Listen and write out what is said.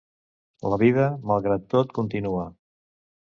La vida, malgrat tot, continua.